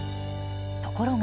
ところが。